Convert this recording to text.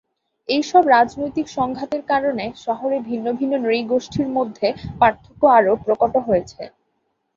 এইসব রাজনৈতিক সংঘাতের কারণে শহরে ভিন্ন ভিন্ন নৃগোষ্ঠীর মধ্যে পার্থক্য আরও প্রকট হয়েছে।